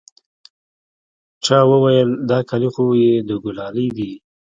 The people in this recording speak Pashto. چا وويل دا كالي خو يې د ګلالي دي.